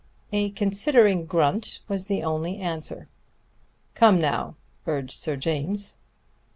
A considering grunt was the only answer. "Come now!" urged Sir James.